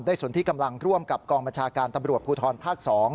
สนที่กำลังร่วมกับกองบัญชาการตำรวจภูทรภาค๒